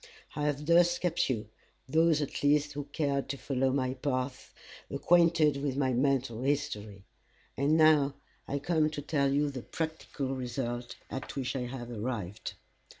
I have thus kept you, those at least who cared to follow my path, acquainted with my mental history. And now I come to tell you the practical result at which I have arrived.